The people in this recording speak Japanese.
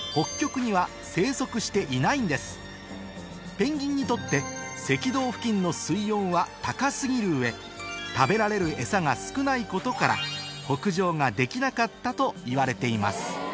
ペンギンにとって赤道付近の水温は高過ぎる上食べられるエサが少ないことから北上ができなかったといわれています